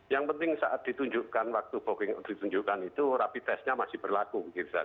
yang penting saat ditunjukkan waktu booking ditunjukkan itu rapi tesnya masih berlaku